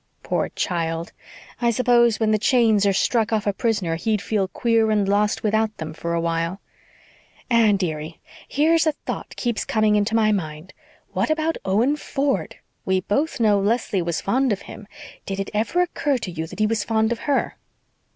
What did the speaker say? "Poor child! I suppose when the chains are struck off a prisoner he'd feel queer and lost without them for a while. Anne, dearie, here's a thought keeps coming into my mind. What about Owen Ford? We both know Leslie was fond of him. Did it ever occur to you that he was fond of her?"